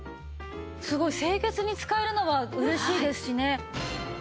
すごい清潔に使えるのは嬉しいですしね。